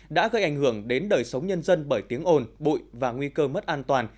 đã gây ảnh hưởng đến đời sống nhân dân bởi tiếng ồn bụi và nguy cơ mất an toàn